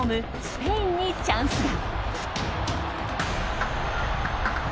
スペインにチャンスが。